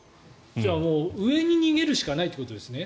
じゃあ、もう上に逃げるしかないってことですね。